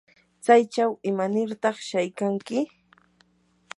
¿tsaychaw imanirtaq shaykanki?